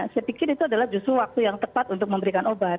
saya pikir itu adalah justru waktu yang tepat untuk memberikan obat